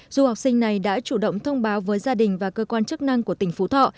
du học sinh này đã chủ động thông báo với gia đình và cơ quan chức năng của tỉnh phú thọ